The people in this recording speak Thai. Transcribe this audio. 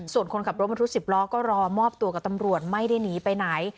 ส่วนคนขับรถบรรทุก๑๐ล้อก็รอมอบตัวกับตำรวจไม่ได้หนีไปไหน